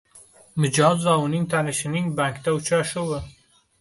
Mijoz va uning tanishining bankda uchrashuvi